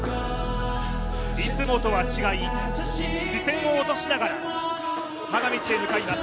いつもとは違い、視線を落としながら花道へ向かいます。